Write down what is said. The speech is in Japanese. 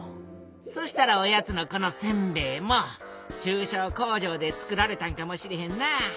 そしたらおやつのこのせんべいも中小工場で作られたんかもしれへんな。